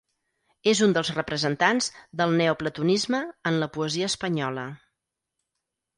És un dels representants del neoplatonisme en la poesia espanyola.